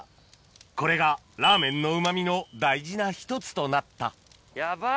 これがラーメンのうま味の大事な１つとなったヤバっ！